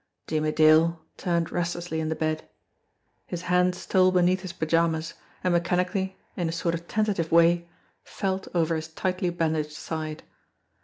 Jimmie Dale turned restlessly in the bed. His hand stole beneath his pajamas and mechani cally, in a sort of tentative way, felt over his tightly ban daged side.